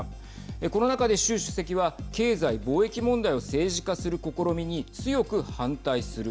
この中で習主席は経済・貿易問題を政治化する試みに強く反対する。